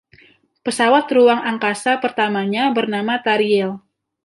Pesawat ruang angkasa pertamanya bernama "Tariel".